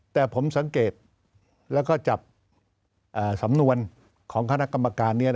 แต่ผมสังเกตแล้วก็จับสำนวนของคณะกรรมการนี้